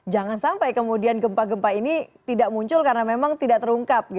jangan sampai kemudian gempa gempa ini tidak muncul karena memang tidak terungkap